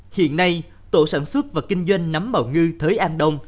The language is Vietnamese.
hiện nay tổ sản xuất và kinh doanh nấm bào ngư thới an đông